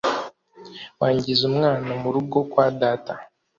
wangize umwana mu rugo kwa data